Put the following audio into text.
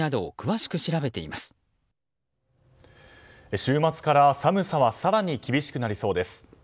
週末から寒さは更に厳しくなりそうです。